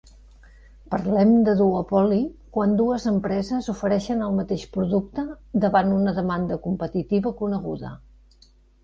Parlem de duopoli quan dues empreses ofereixen el mateix producte davant una demanda competitiva coneguda.